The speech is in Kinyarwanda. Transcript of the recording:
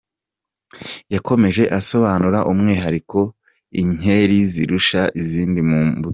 Yakomeje asobanura umwihariko inkeri zirusha izindi mbuto.